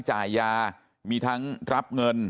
จ่ายยามีทั้งรับเงิน